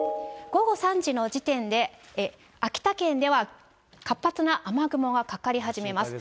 午後３時の時点で、秋田県では活発な雨雲がかかり始めます。